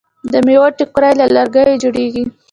د میوو ټوکرۍ له لرګیو جوړیږي.